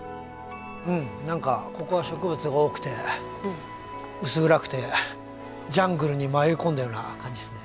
うん何かここは植物が多くて薄暗くてジャングルに迷い込んだような感じですね。